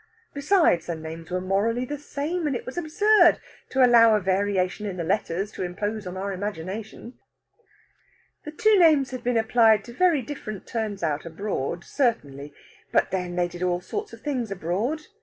Besides, the names were morally the same, and it was absurd to allow a variation in the letters to impose on our imagination. The two names had been applied to very different turns out abroad, certainly; but then they did all sorts of things abroad.